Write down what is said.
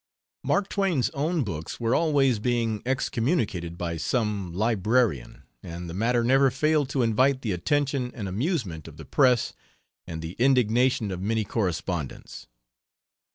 Mark Twain's own books were always being excommunicated by some librarian, and the matter never failed to invite the attention and amusement of the press, and the indignation of many correspondents.